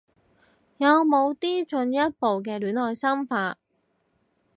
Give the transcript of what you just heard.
有冇啲進一步嘅戀愛心法